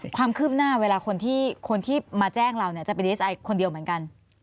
ความคืบหน้าเวลาคนที่มาแจ้งเราเนี่ยจะไปดีเอสไอคนเดียวเหมือนกัน